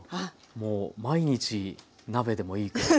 もう毎日鍋でもいいくらい。